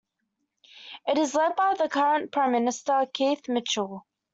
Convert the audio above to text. It is led by the current Prime Minister, Keith Mitchell.